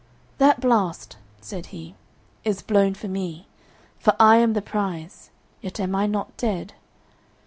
"That blast," said he, "is blown for me, for I am the prize, yet am I not dead."